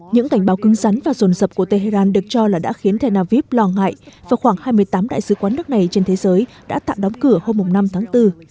những cảnh báo cứng rắn và rồn rập của tehran được cho là đã khiến tel aviv lo ngại và khoảng hai mươi tám đại sứ quán nước này trên thế giới đã tạm đóng cửa hôm năm tháng bốn